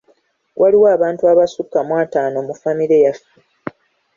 Waliwo abantu abasukka mu ataano mu famire yaffe.